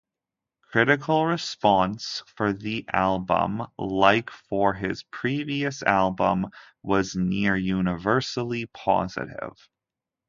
Critical response for the album, like for his previous album, was near universally positive.